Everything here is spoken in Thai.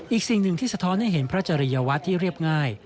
อีกสิ่งหนึ่งที่สะท้อนให้เห็นพระจริยวัตรที่เรียบง่าย